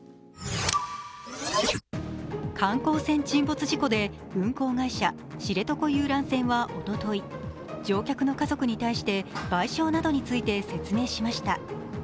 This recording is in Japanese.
観光船沈没事故で運航会社・知床遊覧船はおととい、乗客の家族に対して賠償などについて説明しました。